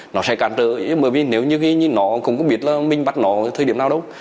nó sẽ cản trở nếu như nó không biết mình bắt nó thời điểm nào đâu